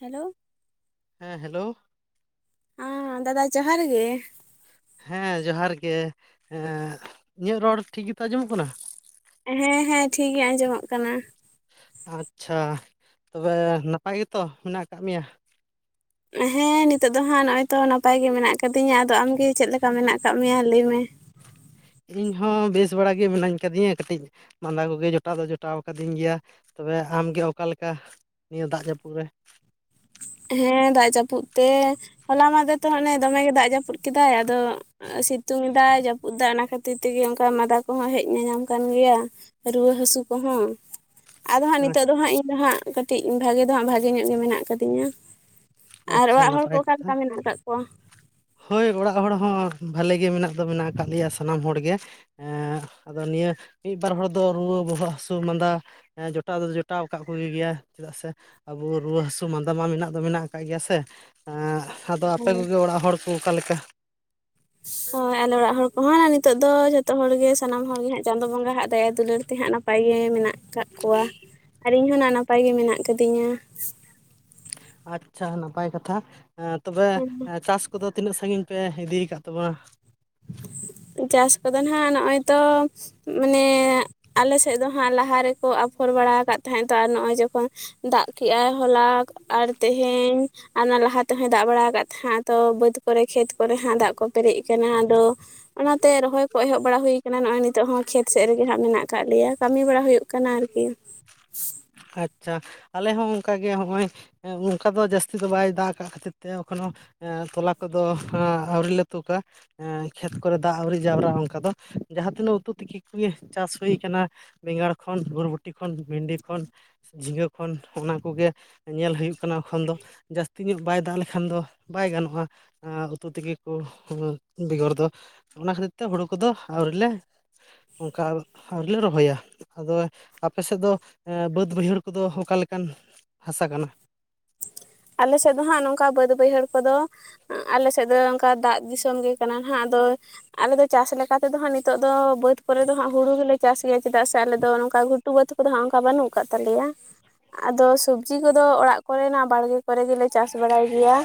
Hello ᱦᱮᱸ hello ᱟᱸ ᱫᱟᱫᱟ ᱡᱚᱦᱟᱨ ᱜᱮ ᱦᱮᱸ ᱡᱚᱦᱟᱨ ᱜᱮ ᱤᱧᱟᱹᱜ ᱨᱚᱲ ᱴᱷᱤᱠ ᱜᱮᱛᱚ ᱟᱸᱡᱚᱢᱚᱜ ᱠᱟᱱᱟ? ᱦᱮᱸ ᱦᱮᱸ ᱴᱷᱤᱠ ᱜᱮ ᱟᱸᱡᱚᱢᱚᱜ ᱠᱟᱱᱟ᱾ ᱟᱪᱪᱷᱟ ᱛᱚᱵᱮ ᱱᱟᱯᱟᱭ ᱜᱮᱛᱚ ᱢᱮᱱᱟᱜ ᱟᱠᱟᱜ ᱢᱮᱭᱟ ᱦᱮᱸ ᱱᱤᱛᱚᱜ ᱫᱚ ᱦᱟᱸᱜ ᱱᱚᱜᱼᱚᱭ ᱛᱚ ᱱᱟᱯᱟᱭ ᱜᱮ ᱢᱮᱱᱟᱜ ᱟᱠᱟᱫᱤᱧᱟ, ᱟᱫᱚ ᱟᱢᱜᱮ ᱪᱮᱫ ᱞᱮᱠᱟ ᱢᱮᱱᱟᱜ ᱟᱠᱟᱫ ᱢᱮᱭᱟ ᱞᱟᱹᱭ ᱢᱮ? ᱤᱧ ᱦᱚᱸ ᱵᱮᱥ ᱵᱟᱲᱟ ᱜᱮ ᱢᱤᱱᱟᱹᱧ ᱠᱟᱫᱤᱧᱟ ᱠᱟᱹᱴᱤᱡ᱾ ᱢᱟᱸᱫᱟ ᱠᱚᱜᱮ ᱡᱚᱴᱟᱣ ᱫᱚ ᱡᱚᱴᱟᱣ ᱠᱟᱹᱫᱤᱧ ᱜᱮᱭᱟ ᱛᱚᱵᱮ ᱟᱢᱜᱮ ᱚᱠᱟ ᱞᱮᱠᱟ? ᱱᱤᱭᱟᱹ ᱫᱟᱜ ᱡᱟᱹᱯᱩᱫ ᱨᱮ᱾ ᱦᱮᱸ ᱫᱟᱜ ᱡᱟᱹᱯᱩᱫ ᱛᱮ, ᱦᱚᱞᱟ ᱢᱟᱫᱷᱮᱨ ᱛᱚ ᱚᱱᱮ ᱫᱚᱢᱮ ᱜᱮ ᱫᱟᱜ ᱡᱟᱹᱯᱩᱫ ᱠᱮᱫᱟᱭ ᱟᱫᱚ᱾ ᱥᱤᱛᱩᱝ ᱫᱟᱭ, ᱡᱟᱹᱯᱩᱫ ᱫᱟ ᱚᱱᱟ ᱠᱷᱟᱹᱛᱤᱨ ᱛᱮᱜᱮ ᱚᱱᱠᱟ ᱢᱟᱫᱟ ᱠᱚᱦᱚᱸ ᱦᱮᱡ ᱧᱟᱧᱟᱢ ᱠᱟᱱ ᱜᱮᱭᱟ᱾ ᱨᱩᱣᱟᱹ ᱦᱟᱹᱥᱩ ᱠᱚᱦᱚᱸ᱾ ᱟᱫᱚ ᱦᱟᱸᱜ ᱱᱤᱛᱚᱜ ᱫᱚ ᱦᱟᱸᱜ ᱤᱧ ᱫᱚ ᱦᱟᱸᱜ ᱠᱟᱹᱴᱤᱡ ᱵᱷᱟᱜᱮ ᱫᱚ ᱦᱟᱸᱜ, ᱵᱷᱟᱜᱮ ᱧᱚᱜ ᱜᱮ ᱢᱮᱱᱟᱜ ᱟᱠᱟᱫᱤᱧᱟ᱾ ᱟᱨ ᱟᱪᱪᱷᱟ ᱚᱲᱟᱜ ᱦᱚᱲ ᱠᱚ ᱱᱟᱯᱟᱭ ᱠᱟᱛᱷᱟ ᱚᱠᱟᱞᱮᱠᱟ ᱢᱮᱱᱟᱜ ᱟᱠᱟᱫ ᱠᱚᱣᱟ? ᱦᱳᱭ ᱚᱲᱟᱜ ᱦᱚᱲ ᱦᱚᱸ ᱵᱷᱟᱞᱮ ᱜᱮ ᱢᱮᱱᱟᱜ ᱫᱚ ᱢᱮᱱᱟᱜ ᱟᱠᱟᱫ ᱞᱮᱭᱟ ᱥᱟᱱᱟᱢ ᱦᱚᱲᱜᱮ᱾ ᱮ ᱟᱫᱚ ᱱᱤᱭᱟᱹ ᱢᱤᱫ ᱵᱟᱨ ᱦᱚᱲ ᱫᱚ, ᱨᱩᱣᱟᱹ, ᱵᱚᱦᱚᱜ ᱦᱟᱹᱥᱩ, ᱢᱟᱸᱫᱟ ᱦᱮᱸ ᱡᱚᱴᱟᱣ ᱫᱚ ᱡᱚᱴᱟᱣ ᱟᱠᱟᱫ ᱠᱚᱜᱮ ᱜᱮᱭᱟ, ᱪᱮᱫᱟᱜ ᱥᱮ ᱟᱵᱚ ᱨᱩᱣᱟᱹ ᱦᱟᱹᱥᱩ ᱢᱟᱫᱟ ᱢᱟ ᱢᱮᱱᱟᱜ ᱫᱚ ᱢᱮᱱᱟᱜ ᱠᱚ ᱱᱟᱯᱟᱭ ᱜᱮᱭᱟ ᱥᱮ, ᱟᱫᱚ ᱟᱯᱮ ᱦᱳᱭ ᱠᱚᱜᱮ ᱚᱲᱟᱜ ᱦᱚᱲ ᱠᱚ ᱚᱠᱟᱞᱮᱠᱟ? ᱦᱳᱭ ᱟᱞᱮ ᱚᱲᱟᱜ ᱦᱚᱲ ᱠᱚᱦᱚᱸ ᱱᱤᱛᱳᱜ ᱫᱚ ᱡᱷᱚᱛᱚ ᱦᱚᱲᱜ ᱥᱟᱱᱟᱢ ᱦᱚᱲᱜ ᱜᱮ ᱦᱟᱸᱜ ᱪᱟᱸᱫᱳ ᱵᱚᱸᱜᱟ ᱦᱟᱜ ᱫᱟᱭᱟ ᱫᱩᱞᱟᱹᱲ ᱛᱮᱦᱟᱸᱜ ᱱᱟᱯᱟᱭ ᱜᱮ ᱢᱮᱱᱟᱜ ᱟᱠᱟᱜ ᱠᱚᱣᱟ, ᱟᱨ ᱤᱧ ᱦᱚᱸ ᱱᱟ ᱱᱟᱯᱟᱭ ᱜᱮ ᱢᱮᱱᱟᱜ ᱠᱟᱫᱤᱧᱟ᱾ ᱟᱪᱷᱟ ᱱᱟᱯᱟᱭ ᱠᱟᱛᱷᱟ, ᱛᱚᱵᱮ ᱪᱟᱥ ᱠᱚᱫᱚ ᱛᱤᱱᱟᱹᱜ ᱥᱟᱺᱜᱤᱧ ᱯᱮ ᱤᱫᱤᱠᱟᱫ ᱛᱟᱵᱱᱟ᱾ ᱪᱟᱥ ᱠᱚᱫᱚ, ᱦᱟᱜ ᱱᱚᱜᱼᱚᱭ ᱛᱚ ᱢᱟᱱᱮ, ᱟᱞᱮ ᱥᱮᱫ ᱫᱚ ᱦᱟᱸᱜ ᱞᱟᱦᱟ ᱨᱮᱠᱚ ᱟᱯᱷᱚᱨ ᱵᱟᱲᱟ ᱟᱠᱟᱜ ᱛᱟᱦᱮᱸᱫ ᱛᱚ, ᱟᱨ ᱱᱚᱜᱼᱚᱭ ᱡᱚᱠᱷᱚᱱ ᱫᱟᱜ ᱠᱮᱜᱟᱭ ᱦᱚᱞᱟ ᱟᱨ ᱛᱮᱦᱮᱧ ᱟᱨ ᱚᱱᱟ ᱞᱟᱦᱟ ᱛᱮᱦᱚᱸᱭ ᱫᱟᱜ ᱵᱟᱲᱟ ᱟᱠᱟᱫ ᱛᱟᱦᱮᱸᱱᱟ ᱛᱚ, ᱵᱟᱹᱫ ᱠᱚᱨᱮ, ᱠᱷᱮᱛ ᱠᱚᱨᱮ ᱦᱟᱜ ᱫᱟᱜ ᱠᱚ ᱯᱮᱨᱮᱡ ᱟᱠᱟᱱᱟ᱾ [unintelligible] ᱚᱱᱟᱛᱮ ᱨᱚᱦᱚᱭ ᱠᱚ ᱮᱦᱚᱵ ᱵᱟᱲᱟ ᱦᱩᱭ ᱟᱠᱟᱱᱟ, ᱱᱚᱜᱼᱚᱭ ᱱᱤᱛᱚᱜ ᱦᱚᱸ ᱠᱷᱮᱛ ᱥᱮᱫ ᱨᱮᱜᱮ ᱦᱜ ᱢᱮᱱᱟᱜ ᱟᱠᱟᱫ ᱞᱮᱭᱟ, ᱠᱟᱹᱢᱤ ᱵᱟᱲᱟ ᱦᱩᱭᱩᱜ ᱠᱟᱱᱟ ᱟᱨᱠᱤ᱾ ᱟᱪᱷᱟ, ᱟᱞᱮ ᱦᱚᱸ ᱚᱱᱠᱟ ᱜᱮ ᱦᱚᱜᱼᱚᱭ ᱦᱮᱸᱚᱱᱠᱟ ᱫᱚ, ᱡᱟᱹᱥᱛᱤ ᱫᱚ, ᱵᱟᱭ ᱫᱟᱜ ᱠᱟᱜ ᱠᱷᱟᱹᱛᱤᱨ ᱛᱮ, ᱮᱠᱷᱚᱱᱳ ᱮᱸᱛᱚᱞᱟ ᱠᱚᱫᱚ ᱟᱹᱣᱨᱤ ᱞᱮ ᱛᱩᱠᱟ᱾ ᱦᱮᱸ ᱠᱷᱮᱛ ᱠᱚᱨᱮ ᱫᱟᱜ ᱟᱹᱣᱤᱡ ᱡᱟᱣᱨᱟᱜᱼᱟ ᱚᱱᱠᱟ ᱫᱚ, ᱡᱟᱦᱟᱸ ᱛᱤᱱᱟᱹᱜ ᱩᱛᱩ ᱛᱤᱠᱤ ᱠᱚᱜᱮ ᱪᱟᱥ ᱦᱩᱭ ᱠᱟᱱᱟ᱾ ᱵᱮᱸᱜᱟᱲ ᱠᱷᱚᱱ‌ ᱵᱩᱨᱵᱚᱴᱤ ᱠᱷᱚᱱ ᱵᱷᱤᱱᱰᱤ ᱠᱷᱚᱱ ᱡᱷᱤᱸᱜᱟᱹ ᱠᱷᱚᱱ, ᱚᱱᱟ ᱠᱚᱜᱮ ᱧᱮᱞ ᱦᱩᱭᱩᱜ ᱠᱟᱱᱟ ᱮᱠᱷᱚᱱ ᱫᱚ ᱡᱟᱹᱥᱛᱤ᱾ ᱛᱤᱧᱚᱜ ᱵᱟᱭ ᱫᱟᱜ ᱞᱮᱠᱷᱟᱱ ᱫᱚ ᱵᱟᱭ ᱜᱟᱱᱚᱜᱼᱟ ᱩᱛᱩ ᱛᱮᱜᱮ ᱠᱚ ᱵᱮᱜᱚᱨ ᱫᱚ᱾ ᱚᱱᱟ ᱠᱷᱟᱹᱛᱤᱨ ᱛᱮ ᱦᱩᱲᱩ ᱠᱚᱫᱚ ᱟᱹᱣᱨᱤ ᱞᱮ ᱚᱱᱠᱟ ᱟᱣᱨᱤᱞᱮ ᱨᱚᱦᱚᱭᱟ᱾ ᱟᱫᱚ ᱟᱯᱮ ᱥᱮᱫ ᱫᱚ? ᱦᱮᱸ ᱵᱟᱹᱫᱽ ᱵᱟᱹᱭᱦᱟᱹᱲ ᱠᱚᱫᱚ ᱚᱠᱟ ᱞᱮᱠᱟᱱ ᱦᱟᱥᱟ ᱠᱟᱱᱟ? ᱟᱞᱮ ᱥᱮᱫ ᱫᱚ ᱦᱟᱸᱜ, ᱱᱚᱝᱠᱟ ᱵᱟᱹᱫ ᱵᱟᱹᱭᱦᱟᱹᱲ ᱠᱚᱫᱚ᱾ ᱟᱞᱮ ᱥᱮᱫ ᱫᱚ ᱚᱱᱠᱟ ᱫᱟᱜ ᱫᱤᱥᱚᱢ ᱜᱮ ᱠᱟᱱᱟ ᱦᱟᱸᱜ ᱟᱫᱚ ᱟᱞᱮ ᱫᱚ ᱪᱟᱥ ᱞᱮᱠᱟᱛᱮᱫᱚ ᱦᱟᱸᱜ ᱱᱤᱛᱚᱜ ᱫᱚ, ᱵᱟᱹᱫᱽ ᱠᱚᱨᱮ ᱫᱚ ᱦᱟᱸᱜ ᱦᱩᱲᱩ ᱜᱮᱞᱮ ᱪᱟᱥ ᱜᱮᱭᱟ ᱪᱮᱫᱟᱜ ᱥᱮ ᱟᱞᱮᱫᱚ ᱱᱚᱝᱠᱟ ᱴᱩᱵᱟᱹ ᱠᱚᱫᱚ ᱚᱱᱠᱟ ᱵᱟᱹᱱᱩᱜ ᱟᱠᱟᱫ ᱛᱟᱞᱮᱭᱟ, ᱟᱫᱚ ᱥᱚᱵᱽᱡᱤ ᱠᱚᱫᱚ ᱚᱲᱟᱜ ᱠᱚᱨᱮᱱᱟᱜ ᱵᱟᱲᱜᱮ ᱠᱚᱨᱮ ᱜᱮᱞᱮ ᱪᱟᱥ ᱵᱟᱲᱟᱭ ᱜᱮᱭᱟ᱾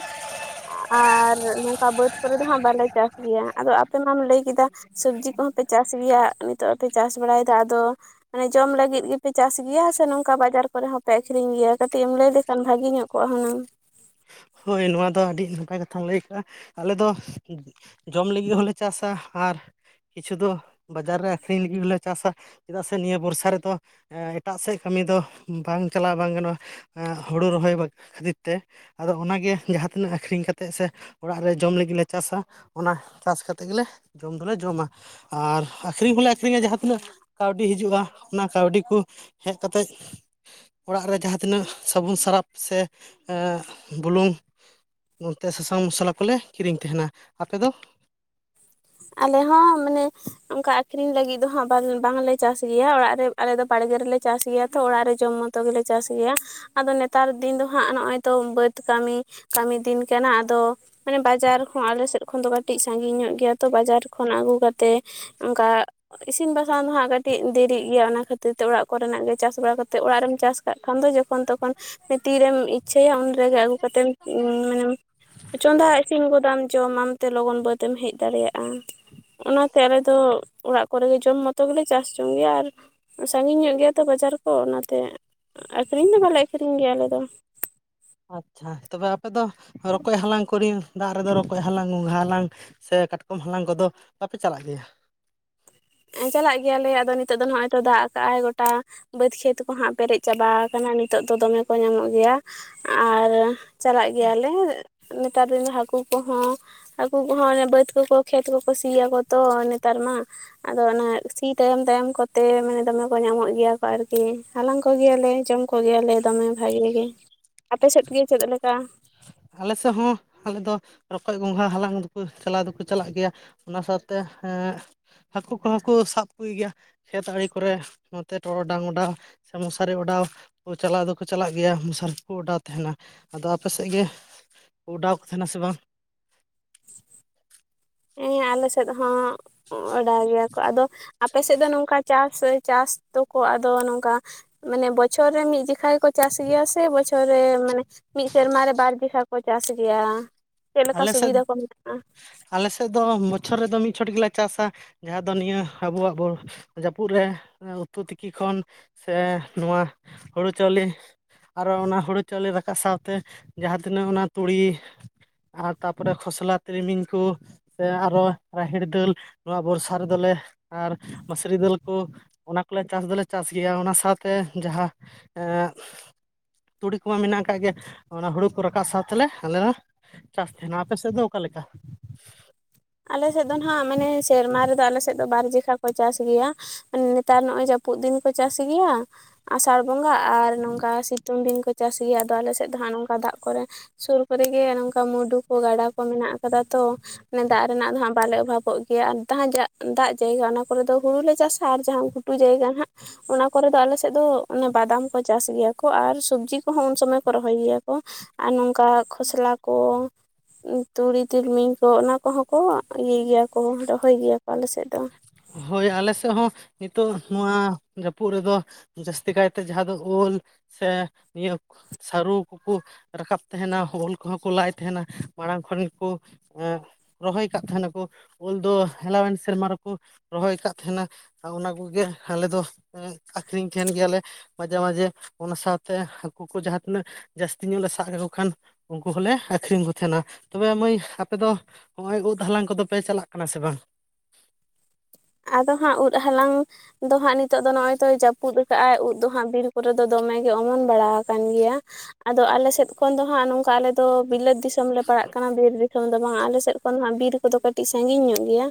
ᱟᱨ ᱱᱚᱝᱠᱟ ᱵᱟᱹᱫᱽ ᱠᱚᱨᱮ ᱫᱚ ᱦᱟᱸᱜ ᱵᱟᱞᱮ ᱪᱟᱥ ᱜᱮᱭᱟ᱾ ᱟᱫᱚ ᱟᱯᱮ ᱢᱟᱢ ᱞᱟᱹᱭ ᱠᱮᱫᱟ, ᱥᱚᱵᱽᱡᱤ ᱠᱚᱦᱚᱸᱯᱮ ᱪᱟᱥ ᱜᱮᱭᱟ, ᱱᱤᱛᱚᱜ ᱯᱮ ᱪᱟᱥ ᱵᱟᱲᱟᱭᱮᱫᱟ ᱟᱫᱚ ᱢᱟᱱᱮ ᱡᱚᱢ ᱞᱟᱹᱜᱤᱫ ᱜᱮᱯᱮ ᱪᱟᱥ ᱜᱮᱭᱟ ᱥᱮ ᱱᱚᱝᱠᱟ ᱵᱟᱡᱟᱨ ᱠᱚᱨᱮᱜ ᱦᱚᱸᱯᱮ ᱟᱠᱷᱨᱤᱧ ᱜᱮᱭᱟ ᱠᱟᱹᱴᱤᱡ ᱮᱢ ᱞᱟᱹᱭ ᱞᱮᱠᱷᱟᱱ ᱵᱷᱟᱜᱤ ᱧᱚᱜ ᱠᱚᱜᱼᱟ ᱦᱩᱱᱟᱹᱝ᱾ [inaudible] ᱦᱳᱭ ᱱᱚᱣᱟ ᱫᱚ ᱟᱹᱰᱤ ᱱᱟᱯᱟᱭ ᱠᱟᱛᱷᱟᱢ ᱞᱟᱹᱭ ᱟᱠᱟᱜᱼᱟ ᱟᱞᱮ ᱫᱚ ᱡᱚᱢ ᱞᱟᱹᱜᱤᱫ ᱦᱚᱞᱮ ᱪᱟᱥᱟ ᱟᱨ ᱠᱤᱪᱷᱩ ᱫᱚ ᱵᱟᱡᱟᱨ ᱨᱮ ᱟᱠᱠᱷᱨᱤᱧ ᱞᱟᱹᱜᱤᱫ ᱦᱚᱞᱮ ᱪᱟᱥᱟ᱾ ᱪᱮᱫᱟᱜ ᱥᱮ ᱱᱤᱭᱟᱹ ᱵᱚᱨᱥᱟ ᱨᱮᱫᱚ᱾ ᱮᱴᱟᱜ ᱥᱮᱫ ᱠᱟᱹᱢᱤ ᱫᱚ ᱵᱟᱝ ᱪᱟᱞᱟᱣ ᱵᱟᱝ ᱜᱟᱱᱚᱜᱼᱟ᱾ ᱮᱸᱜ ᱦᱩᱲᱩ ᱨᱚᱦᱚᱭ ᱠᱷᱟᱹᱛᱤᱨ ᱛᱮ ᱟᱫᱚ ᱚᱱᱟᱜᱮ ᱡᱟᱦᱟᱸ ᱛᱤᱱᱟᱹᱜ ᱟᱠᱷᱨᱤᱧ ᱠᱟᱛᱮᱜ ᱥᱮ ᱚᱲᱟᱜ ᱨᱮ ᱡᱚᱢ ᱞᱟᱹᱜᱤᱫᱞᱮ ᱪᱟᱥᱟ, ᱚᱱᱟ ᱪᱟᱥ ᱠᱟᱛᱮᱫ ᱜᱮᱞᱮ ᱡᱚᱢ ᱫᱚᱞᱮ ᱡᱚᱢᱟ᱾ ᱟᱨ ᱟᱠᱷᱨᱤᱧ ᱦᱚᱞᱮ ᱟᱠᱷᱨᱤᱧᱟ ᱡᱟᱦᱟᱸ ᱛᱤᱱᱟᱹᱜ ᱠᱟᱹᱣᱰᱤ ᱦᱤᱡᱩᱜᱼᱟ, ᱚᱱᱟ ᱠᱟᱹᱣᱰᱤ ᱠᱚ ᱦᱮᱡᱛᱮᱫ ᱚᱲᱟᱜ ᱨᱮ ᱡᱟᱦᱟᱸ ᱛᱤᱱᱟᱹᱜ ᱥᱟᱵᱚᱱ ᱥᱟᱨᱟᱯ ᱥᱮ ᱵᱩᱞᱩᱝ ᱱᱚᱛᱮ ᱥᱟᱥᱟᱝ ᱢᱚᱥᱞᱟ ᱠᱚᱞᱮ ᱠᱤᱨᱤᱧ ᱛᱟᱦᱮᱱᱟ ᱟᱯᱮ ᱫᱚ? ᱟᱞᱮ ᱦᱚᱸ ᱢᱟᱱᱮ ᱚᱱᱠᱟ ᱟᱠᱠᱷᱨᱤᱧ ᱞᱟᱹᱜᱤᱫ ᱫᱚ ᱦᱟᱸᱜ ᱵᱟᱝᱞᱮ ᱪᱟᱥ ᱜᱮᱭᱟ᱾ ᱚᱲᱟᱜ ᱨᱮ ᱟᱞᱮ ᱫᱚ ᱵᱟᱲᱜᱮ ᱨᱮᱞᱮ ᱪᱟᱥ ᱜᱮᱭᱟ ᱛᱚ᱾ ᱚᱲᱟᱜ ᱨᱮ ᱡᱚᱢ ᱢᱚᱛᱚ ᱜᱮᱞᱮ ᱪᱟᱥ ᱜᱮᱭᱟ᱾ ᱟᱫᱚ ᱱᱮᱛᱟᱨ ᱫᱤᱱ ᱫᱚ ᱦᱟᱸᱜ ᱱᱚᱜᱼᱚᱭ ᱛᱚ ᱵᱟᱹᱫ ᱠᱟᱹᱢᱤ, ᱠᱟᱹᱢᱤ ᱫᱤᱱ ᱠᱟᱱᱟ ᱟᱫᱚ ᱢᱟᱱᱮ ᱵᱟᱡᱟᱨ ᱦᱚᱸ ᱟᱞᱮᱥᱮᱫ ᱠᱷᱚᱱ ᱫᱚ ᱠᱟᱹᱴᱤᱡ ᱥᱟᱺᱜᱤᱧ ᱧᱚᱜ ᱜᱮᱭᱟ ᱛᱚ ᱵᱟᱡᱟᱨ ᱠᱷᱚᱱ ᱟᱹᱜᱩ ᱠᱟᱛᱮ ᱚᱱᱠᱟ ᱤᱥᱤᱱ ᱵᱟᱥᱟᱝ ᱫᱚ ᱦᱟᱸᱜ ᱠᱟᱹᱴᱤᱡ ᱫᱮᱨᱤᱜ ᱜᱮᱭᱟ ᱚᱱᱟ ᱠᱷᱟᱹᱛᱤᱨ ᱛᱮ ᱚᱲᱟᱜ ᱠᱚᱨᱮᱱᱟᱜ ᱜᱮ ᱪᱟᱥ ᱵᱟᱲᱟ ᱠᱟᱛᱮ ᱚᱲᱟᱜ ᱨᱮᱢ ᱪᱟᱥ ᱠᱟᱜ ᱠᱷᱟᱱ ᱫᱚ ᱡᱚᱠᱷᱚᱱ ᱛᱚᱠᱷᱚᱱ ᱛᱤᱨᱮᱢ ᱤᱪᱪᱷᱟᱹᱭᱟ ᱩᱱ ᱨᱮᱜᱮ [unintelligible] ᱠᱟᱛᱮᱢ ᱢᱟᱱᱮᱢ ᱪᱚᱸᱫᱟ ᱤᱥᱤᱱ ᱜᱚᱫᱟᱢ ᱡᱚᱢ ᱟ ᱛᱮ ᱞᱚᱜᱚᱱ ᱵᱟᱹᱫᱽ ᱮᱢ ᱦᱮᱡ ᱫᱟᱲᱮᱭᱟᱜᱼᱟ ᱚᱱᱟᱛᱮ ᱟᱞᱮ ᱫᱚ ᱚᱸᱲᱟᱜ ᱠᱚᱨᱮᱜᱮ ᱡᱚᱢ ᱢᱚᱛᱚ ᱜᱮᱞᱮ ᱪᱟᱥ ᱡᱚᱝ ᱜᱮᱭᱟ ᱟᱨ ᱥᱟᱺᱜᱤᱧ ᱧᱚᱜ ᱜᱮᱭᱟ ᱛᱚ ᱵᱟᱡᱟᱨ ᱠᱚ ᱚᱱᱟᱛᱮ ᱟᱹᱠᱷᱨᱤᱧ ᱫᱚ ᱵᱟᱞᱮ ᱟᱹᱠᱷᱨᱤᱧ ᱜᱮᱭᱟ ᱟᱞᱮ ᱫᱚ ᱟᱪᱪᱷᱟ ᱛᱚᱵᱮ ᱟᱯᱮ ᱫᱚ ᱨᱚᱠᱚᱡ ᱦᱟᱞᱟᱝ ᱠᱚᱨᱮ ᱫᱟᱜ ᱨᱮᱫᱚ ᱨᱚᱠᱚᱡ ᱦᱟᱞᱟᱝ ᱜᱚᱸᱜᱷᱟ ᱦᱟᱞᱟᱝ ᱥᱮ ᱠᱟᱴᱠᱚᱢ ᱦᱟᱞᱟᱝ ᱠᱚᱫᱚ ᱵᱟᱯᱮ ᱪᱟᱞᱟᱜ ᱜᱮᱭᱟ? ᱪᱟᱞᱟᱜ ᱜᱮᱭᱟᱞᱮ ᱟᱫᱚ ᱱᱤᱛᱚᱜ ᱫᱚ ᱱᱚᱜᱼᱚᱭ ᱛᱚ ᱫᱟᱜ ᱟᱠᱟᱜᱼ ᱟᱭ ᱜᱚᱴᱟ ᱵᱟᱹᱫᱽ ᱠᱷᱮᱛ ᱠᱚᱦᱟᱸᱜ ᱯᱮᱨᱮᱡ ᱪᱟᱵᱟ ᱟᱠᱟᱱᱟ ᱱᱤᱛᱚᱜ ᱫᱚ ᱫᱚᱢᱮ ᱠᱚ ᱧᱟᱢᱚᱜ ᱜᱮᱭᱟ ᱟᱨ ᱪᱟᱞᱟᱜ ᱜᱮᱭᱟᱞᱮ ᱱᱮᱛᱟᱨ ᱫᱤᱱ ᱦᱟᱹᱠᱩ ᱠᱚᱦᱚᱸ ᱦᱟᱹᱠᱩ ᱠᱚᱦᱚᱸ ᱚᱱᱮ ᱵᱟᱹᱫᱽ ᱠᱚᱠᱚ ᱠᱷᱮᱛ ᱠᱚᱠᱚ ᱥᱤᱭᱟᱠᱚ ᱛᱚ ᱱᱮᱛᱟᱨ ᱢᱟ, ᱟᱫᱚ ᱚᱱᱟ ᱥᱤ ᱛᱟᱭᱚᱢ ᱛᱟᱭᱚᱢ ᱠᱚᱛᱮ ᱢᱟᱱᱮ ᱫᱚᱢᱮ ᱠᱚ ᱧᱟᱢᱚᱜ ᱜᱮᱭᱟ ᱠᱚ ᱟᱨᱠᱤ ᱦᱟᱞᱟᱝ ᱠᱚᱜᱮᱭᱟᱞᱮ ᱡᱚᱢ ᱠᱚ ᱠᱚᱜᱮᱭᱟᱞᱮ ᱫᱚᱢᱮ ᱵᱷᱟᱜᱮ ᱜᱮ ᱟᱯᱮ ᱥᱮᱫ ᱜᱮ ᱪᱮᱫ ᱞᱮᱠᱟ? ᱟᱞᱮ ᱥᱮᱫ ᱦᱚᱸ ᱟᱞᱮ ᱫᱚ ᱨᱚᱠᱚᱡ ᱜᱚᱸᱜᱷᱟ ᱦᱟᱞᱟᱝ ᱫᱚᱠᱚ ᱪᱟᱞᱟᱣ ᱫᱚᱠᱚ ᱪᱟᱞᱟᱜ ᱜᱮᱭᱟ᱾ ᱚᱱᱟ ᱥᱟᱶᱛᱮ ᱦᱟᱹᱠᱩ ᱠᱚᱦᱚᱸ ᱠᱚ ᱥᱟᱵ ᱠᱚ ᱜᱮᱭᱟ ᱠᱷᱮᱛ ᱟᱸᱲᱮ ᱠᱚᱨᱮ ᱱᱚᱛᱮ ᱴᱚᱨᱚᱰᱟᱝ ᱚᱰᱟᱣ ᱥᱮ ᱢᱚᱥᱟᱨᱤ ᱚᱰᱟᱣ ᱪᱟᱞᱟᱣ ᱫᱚᱠᱚ ᱪᱟᱞᱟᱜ ᱜᱮᱭᱟ ᱢᱥᱟᱨᱤ ᱠᱚᱠᱚ ᱚᱰᱟᱣ ᱛᱟᱦᱮᱱᱟ ᱟᱫᱚ ᱟᱯᱮ ᱥᱮᱫ ᱜᱮ ᱚᱰᱟᱣ ᱠᱚ ᱛᱟᱦᱮᱱᱟ ᱥᱮ ᱵᱟᱝ? ᱦᱮᱸ ᱟᱞᱮ ᱥᱮᱫ ᱦᱚᱸ ᱚᱰᱟᱭ ᱜᱮᱭᱟ ᱠᱚ ᱟᱫᱚ, ᱟᱯᱮ ᱥᱮᱫ ᱫᱚ ᱱᱚᱝᱠᱟ ᱪᱟᱥ ᱪᱟᱥ ᱫᱚᱠᱚ ᱟᱫᱚ ᱱᱚᱝᱠᱟ ᱢᱟᱱᱮ ᱵᱚᱪᱷᱚᱨ ᱨᱮ ᱢᱤᱫ ᱡᱚᱠᱷᱟ ᱜᱮᱠᱚ ᱪᱟᱥ ᱜᱮᱭᱟ ᱥᱮ ᱵᱚᱪᱷᱚᱨ ᱨᱮ ᱢᱟᱱᱮ ᱢᱤᱫ ᱥᱮᱨᱢᱟ ᱨᱮ ᱵᱟᱨ ᱫᱜᱷᱟ ᱠᱚ ᱪᱟᱥ ᱜᱮᱭᱟ ᱪᱮᱫ ᱞᱮᱠᱟ ᱟᱞᱮ ᱥᱮᱫ ᱥᱩᱵᱤᱫᱷᱟ ᱠᱚ ᱢᱮᱱᱟᱜᱼᱟ ᱟᱞᱮᱥᱮᱫ ᱫᱚ ᱵᱚᱪᱷᱚᱨ ᱨᱮᱫᱚ ᱢᱤᱫ ᱪᱷᱚᱴ ᱜᱮᱞᱮ ᱪᱟᱥᱟ ᱡᱟᱦᱟᱸ ᱫᱚ ᱱᱤᱭᱟᱹ ᱟᱵᱚᱣᱟᱜ ᱡᱟᱹᱯᱩᱫ ᱨᱮ ᱩᱛᱩ ᱛᱤᱠᱤ ᱠᱷᱚᱱ ᱥᱮ ᱱᱚᱣᱟ ᱦᱩᱸᱲᱩ ᱪᱟᱣᱞᱮ ᱟᱨᱚ ᱚᱱᱟ ᱦᱩᱸᱲᱩ ᱪᱟᱣᱞᱮ ᱨᱟᱠᱟᱵ ᱥᱟᱶᱛᱮ ᱡᱟᱦᱟᱸ ᱛᱤᱱᱟᱹᱜ ᱚᱱᱟ ᱛᱩᱲᱤ ᱟᱨ ᱛᱟᱯᱚᱨᱮ ᱠᱷᱚᱥᱞᱟ ᱛᱤᱞᱢᱤᱧ ᱠᱚ ᱥᱮ ᱟᱨᱚ ᱨᱟᱦᱮᱲ ᱫᱟᱹᱞ ᱱᱚᱣᱟ ᱵᱚᱨᱥᱟ ᱨᱮᱫᱚᱞᱮ ᱟᱨ ᱢᱟᱹᱥᱨᱤ ᱫᱟᱹᱞ ᱠᱚ ᱚᱱᱟ ᱠᱚᱞᱮ ᱪᱟᱥ ᱫᱚᱞᱮ ᱪᱟᱥ ᱜᱮᱭᱟ ᱚᱱᱟ ᱥᱟᱶᱛᱮ ᱡᱟᱦᱟᱸ ᱮ ᱛᱩᱲᱤ ᱠᱚᱢᱟ ᱢᱮᱱᱟᱜ ᱟᱠᱟᱫ ᱜᱮᱭᱟ ᱚᱱᱟ ᱦᱩᱲᱩ ᱠᱚ ᱨᱟᱠᱟᱵ ᱥᱟᱶᱛᱮᱞᱮ ᱟᱞᱮ ᱫᱚ ᱪᱟᱥ ᱛᱟᱦᱮᱱᱟ᱾ ᱟᱯᱮ ᱥᱮᱫ ᱫᱚ ᱚᱠᱟ ᱞᱮᱠᱟ? ᱟᱞᱮ ᱥᱮᱫ ᱫᱚ ᱱᱟᱦᱟᱜ ᱢᱟᱱᱮ ᱥᱮᱨᱢᱟ ᱨᱮᱫᱚ ᱟᱞᱮ ᱥᱮᱫ ᱫᱚ ᱵᱟᱨᱡᱚᱷᱟ ᱠᱚ ᱪᱟᱥ ᱜᱮᱭᱟ᱾ ᱱᱮᱛᱟᱨ ᱱᱚᱜᱼᱚᱭ ᱡᱟᱹᱯᱩᱫ ᱫᱤᱱ ᱠᱚ ᱪᱟᱥ ᱜᱮᱭᱟ, ᱟᱸᱥᱟᱲ ᱵᱚᱸᱜᱟ ᱟᱨ ᱱᱚᱝᱠᱟ ᱥᱤᱛᱩᱝ ᱫᱤᱱ ᱠᱚ ᱪᱟᱥ ᱜᱮᱭᱟ ᱟᱫᱚ ᱟᱞᱮ ᱥᱮᱫ ᱫᱚ ᱦᱟᱸᱜ ᱱᱚᱝᱠᱟ ᱫᱟᱜ ᱠᱚᱨᱮ ᱥᱩᱨ ᱠᱚᱨᱮᱜᱮ ᱱᱚᱝᱠᱟ ᱢᱩᱰᱩ ᱠᱚ ᱜᱟᱰᱟ ᱠᱚ ᱢᱮᱱᱟᱜ ᱟᱠᱟᱫᱟ ᱛᱚ ᱫᱟᱜ ᱨᱮᱱᱟᱜ ᱫᱚ ᱦᱟᱸᱜ ᱵᱟᱞᱮ ᱚᱵᱷᱟᱵᱚᱜ ᱜᱮᱭᱟ ᱟᱨ ᱡᱟᱦᱟᱸ ᱡᱟᱜ ᱫᱟᱜ ᱡᱟᱭᱜᱟ ᱚᱱᱟ ᱠᱚᱨᱮ ᱫᱚ ᱦᱩᱲᱩᱞᱮ ᱪᱟᱥᱟ ᱟᱨ ᱡᱟᱦᱟᱸᱜ [unintelligible] ᱡᱟᱭᱜᱟ ᱱᱟᱦᱟᱜ ᱚᱱᱟ ᱠᱚᱨᱮ ᱫᱚ ᱟᱞᱮ ᱥᱮᱫ ᱫᱚ ᱚᱱᱮ ᱵᱟᱫᱟᱢ ᱠᱚ ᱪᱟᱥ ᱜᱮᱭᱟ ᱠᱚ ᱟᱨ ᱥᱚᱵᱡᱤ ᱠᱚᱦᱚᱸ ᱩᱱ ᱥᱚᱢᱚᱭ ᱠᱚ ᱨᱚᱦᱚᱭ ᱜᱮᱭᱟ ᱠᱚ ᱟᱨ ᱱᱚᱝᱠᱟ ᱠᱷᱚᱥᱞᱟ ᱠᱚ ᱛᱩᱲᱤ ᱛᱤᱞᱢᱤᱧ ᱠᱚ ᱚᱱᱟ ᱠᱚᱦᱚᱸ ᱠᱚ ᱤᱭᱟᱹᱭ ᱜᱮᱭᱟ ᱠᱚ ᱨᱚᱦᱚᱭ ᱜᱮᱭᱟ ᱠᱚ ᱟᱞᱮᱥᱮᱫ ᱫᱚ ᱦᱳᱭ ᱟᱞᱮ ᱥᱮᱫ ᱦᱚᱸ ᱱᱤᱛᱚᱜ ᱱᱚᱣᱟ ᱡᱟᱹᱯᱩᱫ ᱨᱮᱫᱚ ᱡᱟᱹᱥᱛᱤ ᱠᱟᱭᱛᱮ ᱡᱟᱦᱟᱸ ᱫᱚ ᱳᱞ ᱥᱮ ᱱᱤᱭᱟᱹ ᱥᱟᱹᱨᱩ ᱠᱚᱠᱚ ᱨᱟᱠᱟᱵ ᱛᱟᱦᱮᱱᱟ ᱳᱞ ᱠᱚᱦᱚᱸ ᱠᱚ ᱞᱟᱭ ᱛᱟᱦᱮᱱᱟ ᱢᱟᱲᱟᱝ ᱠᱷᱚᱱ ᱜᱮᱠᱚ ᱮ ᱨᱚᱦᱚᱭ ᱠᱟᱜ ᱛᱟᱦᱮᱱᱟᱠᱚ ᱳᱞ ᱫᱚ ᱦᱮᱞᱟᱣᱮᱱ ᱥᱮᱨᱢᱟ ᱨᱮ ᱠᱚ ᱨᱚᱦᱚᱭ ᱟᱠᱟᱫ ᱛᱟᱦᱮᱱᱟ ᱚᱱᱟ ᱠᱚᱜᱮ ᱟᱞᱮ ᱫᱚ ᱟᱠᱷᱨᱤᱧ ᱛᱟᱦᱮᱱ ᱜᱮᱭᱟᱞᱮ ᱢᱟᱡᱷᱮ ᱢᱟᱡᱷᱮ ᱚᱱᱟ ᱥᱟᱶᱛᱮ ᱦᱟᱹᱠᱩ ᱠᱚ ᱡᱟᱦᱟᱸ ᱛᱤᱱᱟᱹᱜ ᱡᱟᱹᱥᱛᱤ ᱧᱚᱜ ᱞᱮ ᱥᱟᱵ ᱞᱮᱠᱚ ᱠᱷᱟᱱ ᱩᱱᱠᱩ ᱦᱚᱸᱞᱮ ᱟᱠᱷᱨᱤᱧ ᱠᱚ ᱛᱟᱦᱮᱱᱟ ᱛᱚᱵᱮ ᱢᱟᱹᱭ ᱟᱯᱮ ᱫᱚ? ᱱᱚᱜᱼᱚᱭ ᱩᱫ ᱦᱟᱞᱟᱝ ᱠᱚᱫᱚ ᱯᱮ ᱪᱟᱞᱟᱜ ᱠᱟᱱᱟ ᱥᱮ ᱵᱟᱝ? ᱟᱫᱚ ᱦᱟᱸᱜ ᱩᱫ ᱦᱟᱞᱟᱝ ᱫᱚ ᱦᱟᱸᱜ ᱱᱤᱛᱚᱜ ᱫᱚ ᱱᱚᱜ ᱚᱭ ᱛᱚᱭ ᱡᱟᱹᱯᱩᱫ ᱟᱠᱟᱫ ᱟᱭ ᱩᱫ ᱫᱚ ᱦᱟᱸᱜ ᱵᱤᱨ ᱠᱚᱨᱮ ᱫᱚᱢᱮᱜ ᱜᱮ ᱚᱢᱚᱱ ᱵᱟᱲᱟ ᱟᱠᱟᱱ ᱜᱮᱭᱟ ᱟᱫᱚ ᱟᱞᱮ ᱥᱮᱫ ᱠᱷᱚᱱ ᱫᱚ ᱦᱟᱸᱜ ᱱᱚᱝᱠᱟ ᱟᱞᱮ ᱫᱚ ᱵᱤᱞᱟᱹᱛ ᱫᱤᱥᱚᱢ ᱞᱮ ᱯᱟᱲᱟᱜ ᱠᱟᱱᱟ ᱵᱤᱨ ᱫᱚ ᱵᱟᱝ ᱟᱞᱮ ᱥᱮᱫ ᱠᱷᱚᱱ ᱵᱤᱨ ᱠᱚᱫᱚ ᱠᱟᱹᱴᱤᱡ ᱥᱟᱜᱤᱧ ᱧᱚᱜ ᱜᱮᱭᱟ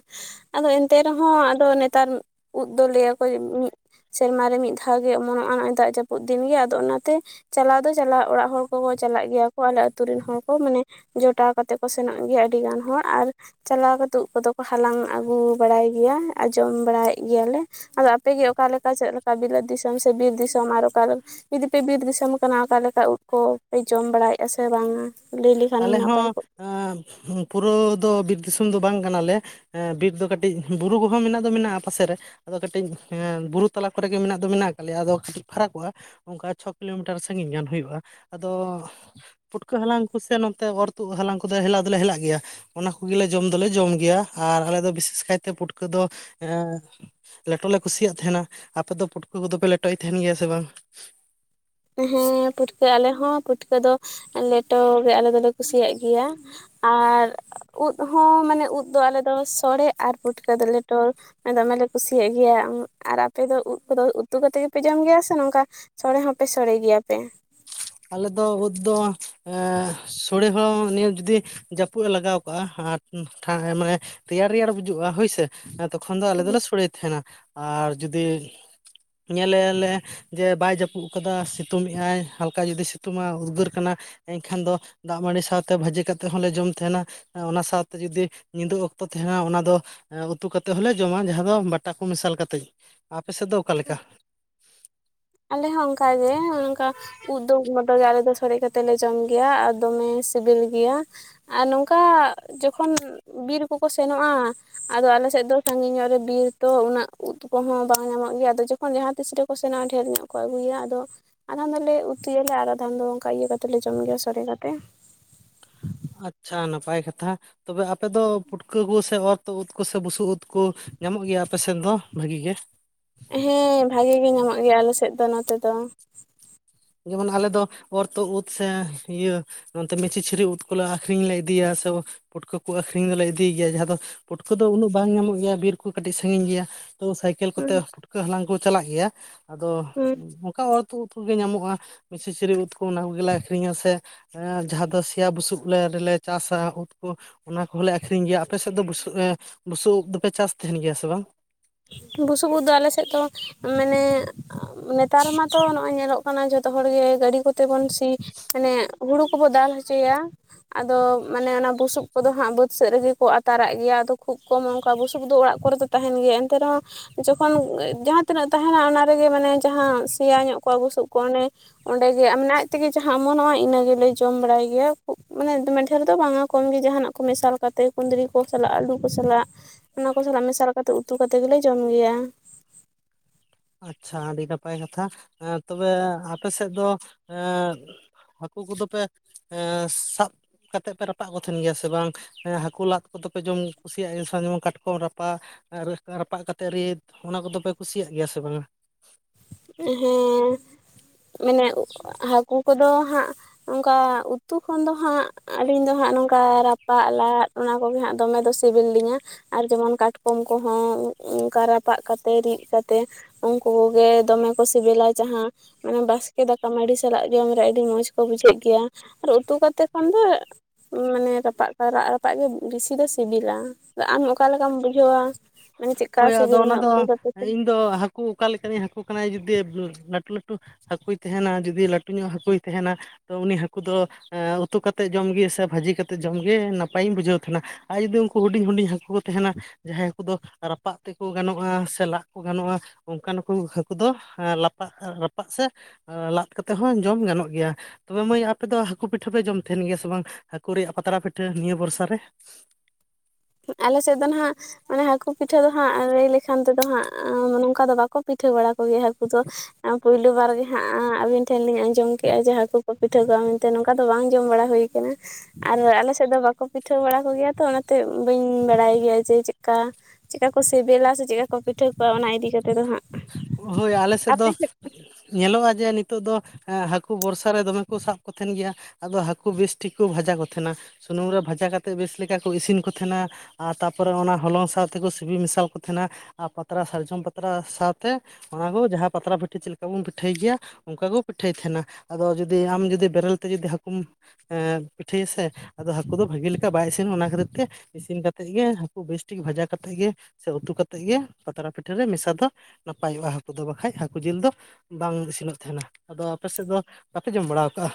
ᱟᱫᱚ ᱮᱱᱛᱮ ᱨᱮᱦᱚᱸ ᱦᱚᱸ ᱟᱫᱚ ᱱᱮᱛᱟᱨ ᱩᱫ ᱫᱚ ᱞᱟᱹᱭᱟᱠᱚ ᱢᱤᱫ ᱥᱮᱨᱢᱟ ᱨᱮ ᱢᱤᱫ ᱫᱷᱟᱣ ᱜᱮ ᱚᱢᱚᱱᱚᱜᱼᱟ ᱱᱚᱜᱼᱚᱭ ᱫᱟᱜ ᱡᱟᱹᱯᱩᱫ ᱫᱤᱱᱜᱮ ᱟᱫᱚ ᱚᱱᱟᱛᱮ ᱪᱟᱞᱟᱣ ᱫᱚ ᱪᱟᱞᱟᱜ ᱚᱲᱟᱜ ᱦᱚᱲ ᱠᱚᱠᱚ ᱪᱟᱞᱟᱜ ᱜᱮᱭᱟ ᱠᱚ ᱟᱞᱮ ᱟᱹᱛᱩ ᱨᱤᱱ ᱦᱚᱲ ᱠᱚ ᱢᱟᱱᱮ ᱡᱚᱴᱟᱣ ᱠᱟᱛᱮᱫ ᱠᱚ ᱥᱮᱱᱚᱜ ᱜᱮᱭᱟ ᱟᱹᱰᱤ ᱜᱟᱱ ᱦᱚᱲ ᱟᱨ ᱪᱟᱞᱟᱣ ᱠᱟᱛᱮᱫ ᱩᱫ ᱫᱚ ᱠᱚ ᱦᱟᱞᱟᱝ ᱟᱹᱜᱩ ᱵᱟᱲᱟᱭ ᱜᱮᱭᱟ ᱟᱸ ᱡᱚᱢ ᱵᱟᱲᱟᱭᱮᱫ ᱜᱮᱭᱟᱞᱮ ᱟᱫᱚ ᱟᱯᱮᱜᱮ ᱚᱠᱟᱞᱮᱠᱟ ᱪᱮᱫ ᱞᱮᱠᱟ ᱵᱤᱞᱟᱹ ᱫᱤᱥᱚᱢ ᱥᱮ ᱵᱤᱨ ᱫᱤᱥᱚᱢ ᱟᱨ ᱚᱠᱟᱞᱮᱠᱟ ᱡᱩᱫᱤ ᱯᱮ ᱵᱤᱨ ᱫᱤᱥᱚᱢ ᱠᱟᱱᱟ ᱚᱠᱟᱞᱮᱠᱟ ᱩᱫ ᱠᱚᱯᱮ ᱡᱚᱢ ᱵᱟᱲᱟᱭᱮᱫᱼᱟ ᱥᱮ ᱵᱟᱝᱟ ᱞᱟᱹᱭ ᱞᱮᱠᱷᱟᱱᱮᱢ ᱟᱞᱮ ᱱᱟᱯᱟᱭ ᱦᱚᱸ ᱠᱚᱜᱼᱟ ᱯᱩᱨᱟᱹ ᱫᱚ ᱵᱤᱨ ᱫᱤᱥᱚᱢ ᱫᱚ ᱵᱟᱝ ᱠᱟᱱᱟᱞᱮ ᱵᱤᱨ ᱫᱚ ᱠᱟᱹᱴᱤᱡ ᱵᱩᱨᱩ ᱠᱚᱦᱚᱸ ᱢᱮᱱᱟᱜ ᱫᱚ ᱢᱮᱱᱟᱜᱼᱟ ᱯᱟᱥᱮᱨᱮ ᱟᱫᱚ ᱠᱟᱹᱴᱤᱡ ᱵᱩᱨᱩ ᱛᱟᱞᱟ ᱠᱚᱨᱮ ᱜᱮ ᱢᱮᱱᱟᱜ ᱫᱚ ᱢᱮᱱᱟᱜ ᱟᱠᱟᱫ ᱞᱮᱭᱟ ᱟᱫᱚ ᱠᱟᱹᱴᱤᱡ ᱯᱷᱟᱨᱟᱠᱚᱜᱼᱟ ᱚᱱᱠᱟ ᱪᱷᱚ ᱠᱤᱞᱳᱢᱤᱴᱟᱨ ᱥᱟᱺᱜᱤᱧ ᱜᱟᱱ ᱦᱩᱭᱩᱜᱼᱟ ᱟᱫᱚ ᱯᱩᱴᱠᱟᱹ ᱦᱟᱞᱟᱝ ᱥᱮ ᱱᱚᱛᱮ ᱚᱨ ᱛᱩᱜ ᱦᱟᱞᱟᱝ ᱠᱚᱫᱚ ᱦᱮᱞᱟ ᱫᱚᱞᱮ ᱦᱮᱞᱟᱜ ᱜᱮᱭᱟ ᱚᱱᱟ ᱠᱚᱜᱮᱞᱮ ᱡᱚᱢ ᱫᱚᱞᱮ ᱡᱚᱢ ᱜᱮᱭᱟ ᱟᱨ ᱟᱞᱮ ᱫᱚ ᱵᱤᱥᱮᱥ ᱠᱟᱭᱛᱮ ᱯᱩᱴᱠᱟᱹ ᱫᱚ ᱞᱮᱴᱚ ᱞᱮ ᱠᱩᱥᱤᱭᱟᱜ ᱛᱟᱦᱮᱱᱟ ᱟᱯᱮ ᱫᱚ ᱯᱩᱴᱠᱟᱹ ᱫᱚᱯᱮ ᱞᱮᱴᱚᱭᱮᱫ ᱛᱟᱦᱮᱱ ᱜᱮᱭᱟ ᱥᱮ ᱵᱟᱝ ᱦᱮᱸ ᱯᱩᱴᱠᱟᱹ ᱟᱞᱮ ᱦᱚᱸ ᱯᱷᱩᱴᱠᱟᱹ ᱫᱚ ᱞᱮᱴᱚ ᱜᱮ ᱟᱞᱮ ᱫᱚᱞᱮ ᱠᱩᱥᱤᱭᱟᱜ ᱜᱮᱭᱟ ᱟᱨ ᱩᱫ ᱦᱚᱸ ᱢᱟᱱᱮ ᱩᱫ ᱫᱚ ᱟᱞᱮ ᱫᱚ ᱥᱚᱲᱮ ᱟᱨ ᱯᱩᱴᱠᱟᱹ ᱫᱚ ᱞᱮᱴᱚ ᱫᱚᱢᱮ ᱠᱩᱥᱤᱭᱟᱜ ᱜᱮᱭᱟ ᱟᱨ ᱟᱯᱮ ᱫᱚ ᱩᱫ ᱠᱚᱫᱚ ᱩᱛᱩ ᱠᱟᱛᱮᱫ ᱜᱮᱯᱮ ᱡᱚᱢ ᱜᱮᱭᱟ ᱥᱮ ᱱᱚᱝᱠᱟ ᱥᱚᱲᱮ ᱦᱚᱸᱯᱮ ᱥᱚᱲᱮ ᱜᱮᱭᱟ ᱯᱮ ᱟᱞᱮᱫᱚ ᱩᱫᱽ ᱫᱚ ᱥᱳᱲᱮ ᱦᱚᱲ ᱱᱤᱭᱟᱹ ᱡᱩᱫᱤ ᱡᱟᱹᱯᱩᱫ ᱮ ᱞᱟᱜᱟᱣ ᱠᱟᱜᱼᱟ ᱟᱨ ᱢᱟᱱᱮ ᱨᱮᱭᱟᱲ ᱵᱩᱡᱩᱜᱼᱟ ᱦᱚᱭᱥᱮ ᱮᱸ ᱛᱚᱠᱷᱚᱱ ᱫᱚ ᱟᱞᱮ ᱫᱚᱞᱮ ᱥᱚᱲᱮ ᱮᱫ ᱛᱟᱦᱮᱱᱟ ᱟᱨ ᱡᱩᱫᱤ ᱧᱮᱞᱮᱞᱮ ᱡᱮ ᱵᱟᱭ ᱡᱟᱹᱯᱩᱫ ᱟᱠᱟᱫᱟ ᱥᱤᱛᱩᱝ ᱮᱜ ᱟᱭ ᱦᱟᱞᱠᱟ ᱫᱟᱠᱟ ᱡᱩᱫᱤ ᱥᱤᱛᱩᱝᱟ ᱩᱫᱽᱜᱟᱹᱨ ᱠᱟᱱᱟ ᱮᱱᱠᱷᱟᱱ ᱫᱚ ᱫᱟᱜ ᱢᱟᱹᱲᱤ ᱥᱟᱶᱛᱮ ᱵᱷᱟᱹᱡᱤ ᱠᱟᱛᱮᱫ ᱦᱚᱸᱞᱮ ᱡᱚᱢ ᱛᱟᱦᱮᱱᱟ ᱚᱱᱟ ᱥᱟᱶᱛᱮ ᱡᱩᱫᱤ ᱧᱤᱫᱟᱹ ᱚᱠᱛᱚ ᱛᱟᱦᱮᱱᱟ ᱚᱱᱟ ᱫᱚ ᱩᱛᱩ ᱠᱟ ᱠᱟᱛᱮᱫ ᱦᱚᱸᱞᱮ ᱡᱚᱢᱟ ᱡᱟᱦᱟᱸ ᱫᱚ ᱵᱟᱴᱟ ᱠᱚ ᱢᱮᱥᱟᱞ ᱠᱟᱛᱮᱫ ᱟᱯᱮ ᱥᱮᱫ ᱫᱚ ᱚᱠᱟᱞᱮᱠᱟ ᱟᱞᱮ ᱦᱚᱸ ᱚᱱᱠᱟᱜᱮ ᱚᱱᱠᱟ ᱩᱫ ᱫᱚ ᱢᱚᱛᱚᱜ ᱜᱮ ᱟᱞᱮ ᱫᱚ ᱥᱚᱲᱮ ᱠᱟᱛᱮᱜ ᱞᱮ ᱡᱚᱢ ᱜᱮᱭᱟ ᱟᱨ ᱫᱚᱢᱮ ᱥᱤᱵᱤᱞ ᱜᱮᱭᱟ ᱟᱨ ᱱᱚᱝᱠᱟ ᱡᱚᱠᱷᱚᱱ ᱵᱤᱨ ᱠᱚᱠᱚ ᱥᱮᱱᱚᱜᱼᱟ ᱟᱫᱚ ᱟᱞᱮᱥᱮᱫ ᱫᱚ ᱥᱟᱺᱜᱤᱧ ᱧᱚᱜ ᱨᱮ ᱵᱤᱨ ᱛᱚ ᱩᱱᱟᱹᱜ ᱩᱫ ᱠᱚᱦᱚᱸ ᱵᱟᱝ ᱧᱟᱢᱚᱜ ᱜᱮᱭᱟ ᱟᱫᱚ ᱡᱚᱠᱷᱚᱱ ᱡᱟᱦᱟᱸ ᱛᱤᱥ ᱨᱮᱠᱚ ᱥᱮᱱᱚᱜᱼᱟ ᱰᱷᱮᱨ ᱧᱚᱜ ᱠᱚ ᱟᱹᱜᱩᱭᱟ ᱟᱫᱚ ᱟᱫᱚᱢ ᱫᱚᱞᱮ ᱩᱛᱩᱭᱟᱞᱮ ᱟᱨ ᱟᱫᱷᱟ ᱫᱚ ᱚᱱᱠᱟ ᱤᱭᱟᱹ ᱠᱟᱛᱮ ᱞᱮ ᱡᱚᱢ ᱜᱮᱭᱟ ᱥᱚᱨᱮ ᱠᱟᱛᱮ ᱟᱪᱪᱷᱟ ᱱᱟᱯᱟᱭ ᱠᱟᱛᱷᱟ ᱛᱚᱵᱮ ᱦᱟᱯᱮ ᱫᱚ ᱯᱩᱴᱠᱟᱹ ᱠᱚ ᱥᱮ ᱚᱛ ᱩᱫ ᱠᱚᱥᱮ ᱵᱩᱥᱩᱵ ᱩᱫ ᱠᱚ ᱧᱟᱢᱚᱜ ᱜᱮᱭᱟ ᱟᱯᱮᱥᱮᱫ ᱫᱚ ᱵᱷᱟᱹᱜᱤ ᱜᱮ ᱦᱮᱸ ᱵᱷᱟᱜᱤ ᱜᱮ ᱧᱟᱢᱚᱜ ᱜᱮᱭᱟ ᱟᱞᱮᱥᱮᱫ ᱫᱚ ᱱᱚᱛᱮ ᱫᱚ ᱡᱮᱢᱚᱱ ᱟᱞᱮ ᱫᱚ ᱚᱨᱛᱩᱫ ᱩᱫ ᱥᱮ ᱤᱭᱟᱹ ᱚᱱᱛᱮ ᱢᱤᱪᱷᱤ ᱪᱷᱚᱨᱤ ᱩᱫ ᱠᱚᱞᱮ ᱟᱠᱷᱨᱤᱧ ᱞᱮ ᱤᱫᱤᱭᱟ ᱥᱮ ᱩᱫ ᱯᱩᱴᱠᱟᱹ ᱠᱚ ᱟᱹᱷᱨᱤᱧ ᱫᱚᱞᱮ ᱤᱫᱤᱭ ᱜᱮᱭᱟ ᱡᱟᱦᱟᱸ ᱫᱚ ᱯᱩᱴᱠᱟᱹ ᱫᱚ ᱩᱱᱟᱹᱜ ᱵᱟᱝ ᱧᱟᱢᱚᱜ ᱜᱮᱭᱟ ᱵᱤᱨ ᱠᱚ ᱠᱟᱹᱴᱤᱡ ᱥᱟᱺᱜᱤᱧ ᱜᱮᱭᱟ ᱛᱚ ᱥᱟᱭᱠᱮᱞ ᱠᱚᱛᱮ ᱦᱩᱸ ᱯᱷᱩᱴᱠᱟᱹ ᱦᱟᱞᱟᱝ ᱠᱚ ᱪᱟᱞᱟᱜ ᱜᱮᱭᱟ ᱟᱫᱚ ᱦᱩᱸ ᱚᱱᱠᱟ ᱚᱨ ᱩᱛᱩ ᱜᱮ ᱧᱟᱢᱚᱜᱼᱟ ᱱᱚᱣᱟ ᱢᱤᱥᱤᱪᱨᱤ ᱩᱫ ᱠᱚ ᱚᱱᱟ ᱠᱚᱜᱮ ᱟᱠᱷᱨᱤᱧᱟ ᱥᱮ ᱡᱟᱦᱟᱸ ᱫᱚ ᱥᱮᱭᱟ ᱵᱩᱥᱩᱵ ᱞᱮ ᱨᱮᱞᱮ ᱪᱟᱥᱟ ᱩᱫ ᱠᱚ ᱚᱱᱟ ᱠᱚᱦᱚᱸᱞᱮ ᱟᱠᱷᱨᱤᱧ ᱜᱮᱭᱟ ᱟᱯᱮ ᱥᱮᱫ ᱫᱚ ᱵᱩᱥᱩ ᱮ ᱵᱩᱥᱩᱵ ᱩᱵ ᱫᱚᱯᱮ ᱪᱟᱥ ᱛᱟᱦᱮᱱ ᱜᱮᱭᱟ ᱥᱮ ᱵᱟᱝ ᱵᱩᱥᱩᱵ ᱩᱫ ᱫᱚ ᱟᱞᱮ ᱥᱮᱫ ᱫᱚ ᱢᱟᱱᱮ ᱱᱮᱛᱟᱨ ᱢᱟᱛᱚ ᱱᱚᱜ ᱚᱭ ᱧᱮᱞᱚᱜ ᱠᱟᱱᱟ ᱡᱚᱛᱚ ᱦᱚᱲ ᱜᱮ ᱜᱟᱹᱰᱤ ᱠᱚᱛᱮ ᱵᱚᱱ ᱥᱤ ᱢᱟᱱᱮ ᱦᱩᱲᱩ ᱠᱚᱵᱚ ᱫᱟᱞ ᱦᱚᱪᱚᱭᱟ ᱟᱫᱚ ᱢᱟᱱᱮ ᱚᱱᱟ ᱵᱩᱥᱩᱵ ᱠᱚᱫᱚ ᱦᱟᱸᱜ ᱵᱟᱹᱫᱽ ᱥᱮᱫ ᱨᱮᱜᱮ ᱠᱚ ᱟᱛᱟᱨᱟᱜ ᱜᱮᱭᱟ, ᱟᱫᱚ ᱠᱷᱩᱵ ᱠᱚᱢ ᱚᱱᱠᱟ ᱵᱩᱥᱩᱵ ᱫᱚ ᱚᱲᱟᱜ ᱠᱚᱨᱮ ᱫᱚ ᱛᱟᱸᱦᱮᱱ ᱜᱮ ᱮᱱᱛᱮ ᱨᱮᱦᱚᱸ ᱡᱚᱠᱷᱚᱱ ᱡᱟᱦᱟᱸ ᱛᱤᱱᱟᱹᱜ ᱛᱟᱦᱮᱱᱟ ᱚᱱᱟ ᱨᱮᱜᱮ ᱢᱟᱱᱮ ᱡᱟᱦᱟᱸ ᱥᱮᱭᱟ ᱧᱚᱜ ᱠᱚᱜ ᱵᱩᱥᱩᱜ ᱠᱚ ᱚᱱᱮ ᱚᱸᱰᱮᱜᱮ ᱢᱟᱱᱮ ᱟᱡ ᱛᱮᱜᱮ ᱡᱟᱦᱟᱸ ᱚᱢᱚᱱᱚᱜᱼᱟ ᱤᱱᱟᱹ ᱜᱮᱞᱮ ᱡᱚᱢ ᱵᱟᱲᱟᱭ ᱜᱮᱭᱟ᱾ ᱠᱷᱩᱵ ᱢᱟᱱᱮ ᱫᱚᱢᱮ ᱰᱷᱮᱨ ᱫᱚ ᱵᱟᱝᱟ ᱠᱚᱢ ᱜᱮ ᱡᱟᱦᱟᱱᱟᱜ ᱠᱚ ᱢᱮᱥᱟᱞ ᱠᱟᱛᱮ ᱠᱩᱸᱫᱽᱨᱤ ᱠᱚ ᱥᱟᱞᱟᱜ ᱟᱹᱞᱩ ᱠᱚ ᱥᱟᱞᱟᱜ ᱚᱱᱟ ᱠᱚ ᱥᱟᱞᱟᱜ ᱢᱮᱥᱟᱞ ᱠᱟᱛᱮ ᱩᱛᱩ ᱩᱛᱩ ᱠᱟᱛᱮᱫ ᱜᱮᱞᱮ ᱡᱚᱢ ᱜᱮᱭᱟ᱾ ᱟᱪᱪᱷᱟ ᱟᱹᱰᱤ ᱱᱟᱯᱟᱭ ᱠᱟᱛᱷᱟ᱾ ᱮᱻᱛᱚᱵᱮ ᱟᱯᱮ ᱥᱮᱫ ᱫᱚ ᱮᱸᱻ ᱦᱟᱹᱠᱩ ᱠᱚᱫᱚ ᱯᱮ ᱮᱸ ᱥᱟᱵ ᱠᱟᱛᱮᱫ ᱯᱮ ᱨᱟᱯᱟᱜ ᱠᱚ ᱛᱟᱦᱮᱱ ᱜᱮᱭᱟ ᱥᱮ ᱵᱟᱝ ᱦᱮᱸ ᱦᱟᱹᱠᱩ ᱞᱟᱫᱽ ᱠᱚ ᱫᱚᱯᱮ ᱡᱚᱢ ᱠᱩᱥᱤᱭᱟᱜᱼᱟ, ᱜᱮᱭᱟ ᱥᱮ ᱵᱟᱝ ᱡᱮᱢᱚᱱ ᱠᱟᱴᱠᱚᱢ ᱨᱟᱯᱟᱜ᱾ [inaudible] ᱨᱟᱯᱟᱜ ᱠᱟᱛᱮᱫ ᱨᱤᱫ, ᱚᱱᱟ ᱠᱚᱫᱚ ᱯᱮ ᱠᱩᱥᱤᱭᱟᱜ ᱜᱮᱭᱟ ᱥᱮ ᱵᱟᱝ-ᱟ? ᱦᱮᱸ ᱢᱟᱱᱮ ᱦᱟᱹᱠᱩ ᱠᱚᱫᱚ ᱦᱟᱸᱜ ᱚᱝᱠᱟ ᱩᱛᱩ ᱠᱷᱚᱱ ᱫᱚ ᱦᱟᱸᱜ ᱟᱹᱞᱤᱧ ᱫᱚ ᱦᱟᱸᱜ ᱱᱚᱝᱠᱟ ᱨᱟᱯᱟᱜ ᱞᱟᱫᱽ ᱚᱱᱟ ᱠᱚᱜᱮ ᱦᱟᱸᱜ ᱫᱚᱢᱮ ᱫᱚ ᱥᱤᱵᱤᱞ ᱞᱤᱧᱟ ᱟᱨ ᱡᱮᱢᱚᱱ ᱠᱟᱴᱠᱚᱢ ᱠᱚᱦᱚᱸ ᱚᱱᱠᱟ ᱨᱟᱯᱟᱜ ᱠᱟᱛᱮᱜ ᱨᱤᱫ ᱠᱟᱛᱮᱜ ᱩᱱᱠᱩ ᱠᱚᱜᱮ ᱫᱚᱢᱮ ᱠᱚ ᱥᱤᱵᱤᱞᱟ ᱡᱟᱦᱟᱸ ᱢᱟᱱᱮ ᱵᱟᱥᱠᱮ ᱫᱟᱠᱟ ᱢᱟᱹᱰᱤ ᱥᱟᱞᱟᱜ ᱡᱚᱢ ᱨᱮ ᱟᱹᱰᱤ ᱢᱚᱸᱡᱽ ᱠᱚ ᱵᱩᱡᱷᱟᱹᱜ ᱜᱮᱭᱟ ᱟᱨ ᱩᱛᱩ ᱠᱟᱛᱮ ᱠᱷᱚᱱ ᱫᱚ ᱢᱟᱱᱮ ᱨᱟᱯᱟᱜ ᱨᱟᱜᱼᱨᱟᱯᱟᱜ ᱜᱮ ᱵᱤᱥᱤ ᱫᱚ ᱥᱤᱵᱤᱞᱟ᱾ ᱟᱢ ᱚᱠᱟ ᱞᱮᱠᱟᱢ ᱵᱩᱡᱷᱟᱹᱣᱟ, ᱢᱟᱱᱮ ᱪᱮᱫᱠᱟ ᱦᱳᱭ ᱟᱫᱚ ᱥᱤᱵᱤᱞ ᱚᱱᱟ ᱢᱮ [inaudible] ᱫᱚ ᱤᱧ ᱫᱚ ᱦᱟᱹᱠᱩ ᱚᱠᱟ ᱞᱮᱠᱟᱱᱤᱡ ᱦᱟᱹᱠᱩ ᱠᱟᱱᱟᱭ ᱡᱩᱫᱤ ᱞᱟᱹᱴᱩ ᱞᱟᱹᱴᱩ ᱦᱟᱹᱠᱩᱭ ᱛᱟᱦᱮᱱᱟ ᱡᱩᱫᱤ ᱞᱟᱹᱴᱩ ᱧᱚᱜ ᱦᱟᱹᱠᱩᱭ ᱛᱟᱦᱮᱱᱟ ᱛᱚ ᱩᱱᱤ ᱦᱟᱹᱠᱩ ᱫᱚ ᱩᱛᱩ ᱠᱟᱛᱮᱫ ᱡᱚᱢ ᱜᱮ ᱥᱮ ᱵᱷᱟᱹᱡᱤ ᱠᱟᱛᱮᱜ ᱡᱚᱢᱜᱮ ᱱᱟᱯᱟᱭᱤᱧ ᱵᱩᱡᱷᱟᱹᱣ ᱛᱟᱦᱮᱸᱱᱟ᱾ ᱟᱨ ᱡᱩᱫᱤ ᱩᱱᱠᱩ ᱦᱩᱰᱤᱧ ᱦᱩᱰᱤᱧ ᱦᱟᱹᱠᱩ ᱠᱚ ᱛᱟᱦᱮᱱᱟ ᱡᱟᱦᱟᱸᱭ ᱦᱟᱹᱠᱩ ᱫᱚ ᱨᱟ ᱨᱟᱯᱟᱜ ᱛᱮᱠᱚ ᱜᱟᱱᱚᱜᱼᱟ ᱥᱮ ᱞᱟᱫᱽ ᱠᱚ ᱜᱟᱱᱚᱜᱼᱟ᱾ ᱚᱱᱠᱟᱱᱠᱩ ᱦᱟᱹᱠᱩ ᱫᱚ ᱞᱟᱯᱟᱜ ᱨᱟᱯᱟᱜ ᱥᱮ ᱞᱟᱫᱽ ᱠᱟᱛᱮᱫ ᱦᱚᱸ ᱡᱚᱢ ᱜᱟᱱᱚᱜ ᱜᱮᱭᱟ᱾ ᱛᱚᱵᱮ ᱢᱟᱹᱭ, ᱟᱯᱮ ᱫᱚ ᱦᱟᱹᱠᱩ ᱯᱤᱴᱷᱟᱹ ᱯᱮ ᱡᱚᱢ ᱛᱟᱦᱮᱱ ᱜᱮᱭᱟ ᱥᱮ ᱵᱟᱝ? ᱦᱟᱹᱠᱩ ᱨᱮᱭᱟᱜ ᱯᱟᱛᱲᱟ ᱯᱤᱴᱷᱟᱹ ᱱᱤᱭᱟᱹ ᱵᱚᱨᱥᱟ ᱨᱮ᱾ ᱟᱞᱮ ᱥᱮᱫ ᱫᱚ ᱱᱟᱦᱟᱜ ᱢᱟᱱᱮ ᱦᱟᱹᱠᱩ ᱯᱤᱴᱷᱟᱹ ᱫᱚ ᱦᱟᱸᱜ ᱞᱟᱹᱭ ᱞᱮᱠᱷᱟᱱ ᱛᱮᱫᱚ, ᱦᱟᱸᱜ ᱱᱚᱝᱠᱟ ᱫᱚ ᱵᱟᱠᱚ ᱯᱤᱴᱷᱟᱹ ᱵᱟᱲᱟ ᱠᱚᱜᱮᱭᱟ ᱦᱟᱹᱠᱩ ᱫᱚ᱾ ᱯᱩᱭᱞᱩ ᱵᱟᱨ ᱜᱮ ᱦᱟᱸᱜ ᱟᱹᱵᱤᱱ ᱴᱷᱮᱱ ᱞᱤᱧ ᱟᱸᱡᱚᱢ ᱠᱮᱜᱼ ᱟ ᱡᱮ ᱦᱟᱹᱠᱩ ᱠᱚ ᱯᱤᱴᱷᱟᱹ ᱠᱚᱣᱟ ᱢᱮᱱᱛᱮ ᱱᱝᱠᱟ ᱫᱚ ᱵᱟᱝ ᱡᱚᱢ ᱵᱟᱲᱟ ᱦᱩᱭ ᱟᱨ ᱟᱞᱮ ᱥᱮᱫ ᱫᱚ ᱵᱟᱠᱚ ᱯᱤᱴᱷᱟᱹ ᱵᱟᱲᱟ ᱠᱚᱜᱮᱭᱟ ᱛᱚ᱾ ᱚᱱᱟᱛᱮ ᱵᱟᱹᱧ ᱵᱟᱲᱟᱭ ᱜᱮᱭᱟ ᱡᱮ ᱪᱮᱫ ᱠᱟ, ᱪᱮᱫ ᱠᱟ ᱠᱚ ᱥᱮᱵᱮᱞᱟ, ᱥᱮ ᱪᱮᱫ ᱠᱟ ᱠᱚ ᱯᱤᱴᱷᱟᱹ ᱠᱚᱣᱟ, ᱚᱱᱟ ᱤᱫᱤ ᱠᱟᱛᱮ ᱫᱚ ᱦᱟᱸᱜ᱾ ᱦᱳᱭ ᱟᱞᱮ ᱥᱮᱫ ᱫᱚ ᱧᱮᱞᱚᱜᱼᱟ ᱡᱮ ᱱᱤᱛᱚᱜ ᱫᱚ ᱮᱼ ᱦᱟᱹᱠᱩ ᱵᱚᱨᱥᱟ ᱨᱮ ᱫᱚᱢᱮ ᱠᱚ ᱥᱟᱵ ᱠᱚ ᱛᱟᱦᱮᱱ ᱜᱮᱭᱟ ᱟᱫᱚ ᱦᱟᱹᱠᱩ ᱵᱮᱥᱴᱷᱤᱠ ᱠᱚ ᱵᱷᱟᱡᱟ ᱠᱚ ᱛᱟᱸᱦᱮᱱᱟ, ᱥᱩᱱᱩᱢ ᱨᱮ ᱵᱷᱟᱡᱟ ᱠᱟᱛᱮᱫ ᱵᱮᱥ ᱞᱮᱠᱟ ᱠᱚ ᱤᱥᱤᱱ ᱠᱚ ᱛᱟᱸᱦᱮᱱᱟ᱾ ᱟᱨ ᱛᱟᱯᱚᱨᱮ ᱚᱱᱟ ᱦᱚᱞᱚᱝ ᱥᱟᱶ ᱛᱮᱠᱚ ᱥᱤᱯᱤ ᱢᱮᱥᱟ ᱠᱚ ᱛᱟᱸᱦᱮᱱᱟ ᱟᱨ ᱯᱟᱛᱲᱟ ᱥᱟᱨᱡᱚᱢ ᱯᱟᱛᱲᱟ ᱥᱟᱶ ᱛᱮ ᱚᱱᱟ ᱠᱚ ᱡᱟᱦᱟᱸ ᱯᱟᱛᱲᱟ ᱯᱷᱤᱴᱟᱹ ᱪᱮᱫ ᱞᱮᱠᱟ ᱵᱚᱱ ᱯᱤᱴᱷᱟᱹᱭ ᱜᱮᱭᱟ ᱚᱱᱠᱟ ᱠᱚ ᱯᱤᱴᱷᱟᱹᱭ ᱛᱟᱦᱮᱱᱟ᱾ᱟᱫᱚ ᱡᱩᱫᱤ ᱟᱢ ᱡᱩᱫᱤ ᱵᱮᱨᱮᱞ ᱛᱮ ᱡᱩᱫᱤ ᱦᱟᱹᱠᱩᱢ ᱯᱤᱴᱷᱟᱹᱭ ᱟᱥᱮ ᱟᱫᱚ ᱦᱟᱹᱠᱩ ᱫᱚ ᱵᱷᱟᱹᱜᱤ ᱞᱮᱠᱟ ᱵᱟᱭ ᱤᱥᱤᱱᱚᱜ-ᱟ, ᱚᱱᱟ ᱠᱷᱟᱹᱛᱤᱨ ᱛᱮ ᱤᱥᱤᱱ ᱠᱟᱛᱮᱫ ᱜᱮ ᱦᱟᱹᱠᱩ ᱵᱮᱥ ᱴᱷᱤᱠ ᱵᱷᱟᱡᱟ ᱠᱟᱛᱮ ᱜᱮ ᱥᱮ ᱩᱛᱩ ᱠᱟᱛᱮᱫ ᱜᱮ ᱯᱟᱛᱲᱟ ᱯᱤᱴᱷᱟᱹ ᱨᱮ ᱢᱮᱥᱟ ᱫᱚ ᱱᱟᱯᱟᱭᱚᱜᱼᱟ ᱦᱟᱹᱠᱩ ᱫᱚ ᱵᱟᱠᱷᱟᱡ ᱦᱟᱹᱠᱩ ᱡᱤᱞ ᱫᱚ᱾ ᱵᱟᱝ ᱤᱥᱤᱱᱚᱜ ᱛᱟᱦᱮᱱᱟ ᱾ᱟᱫᱚ ᱟᱯᱮ ᱥᱮᱫ ᱫᱚ ᱵᱟᱯᱮ ᱡᱚᱢ ᱵᱟᱲᱟ ᱠᱟᱜᱼᱟ?